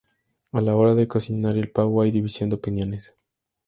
A la hora de cocinar el pavo, hay división de opiniones.